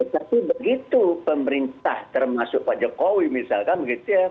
tapi begitu pemerintah termasuk pak jokowi misalkan begitu ya